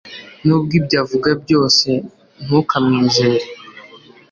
Nubwo ibyo avuga byose ntukamwizere